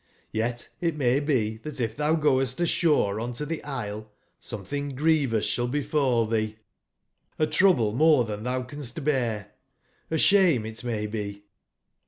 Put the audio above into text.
Y<^t ^^ "^^V t>e tbat if tbou goestasboreontotbelslesometbinggrievoussball befall tbee, a trouble more tban tbou canst bear: a sbame it may be.